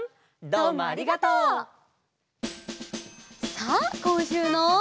さあこんしゅうの。